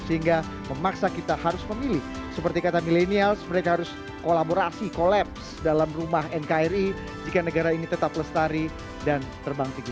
sehingga memaksa kita harus memilih seperti kata milenials mereka harus kolaborasi kolaps dalam rumah nkri jika negara ini tetap lestari dan terbang tinggi